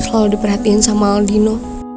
selalu diperhatiin sama aldino